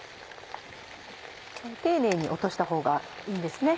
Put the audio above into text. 丁寧に落としたほうがいいんですね。